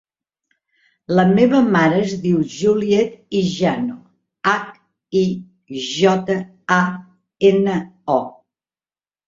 La meva mare es diu Juliet Hijano: hac, i, jota, a, ena, o.